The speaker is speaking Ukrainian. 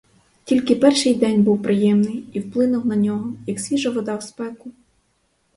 Тільки перший день був приємний і вплинув на нього, як свіжа вода в спеку.